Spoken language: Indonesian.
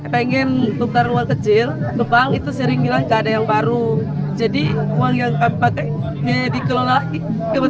pengen tukar uang kecil ke bank itu sering bilang keadaan baru jadi uang yang kami pakai itu menambah uang ke dalam perusahaan yang ada di luar sana